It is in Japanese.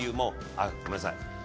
あっごめんなさい。